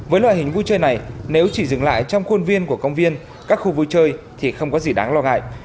với loại hình vui chơi này nếu chỉ dừng lại trong khuôn viên của công viên các khu vui chơi thì không có gì đáng lo ngại